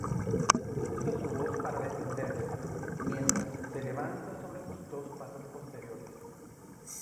Usa su voz para defenderse, mientras se levanta sobre sus dos patas posteriores.